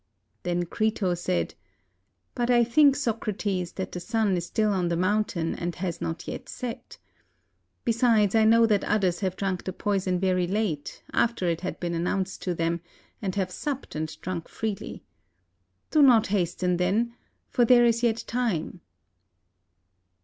Then Crito said, "But I think, Socrates, that the sun is still on the mountain and has not yet set. Besides, I know that others have drunk the poison very late, after it had been announced to them, and have supped and drunk freely. Do not hasten, then, for there is yet time."